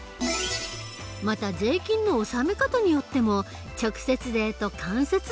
また税金の納め方によっても直接税と間接税がある。